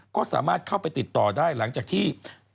ก็สามารถเข้าไปติดต่อได้หลังจากที่